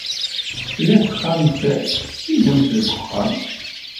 Tella taxxamt d tilemt deg uxxam.